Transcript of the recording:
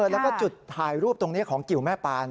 แล้วก็จุดถ่ายรูปตรงนี้ของกิวแม่ปาน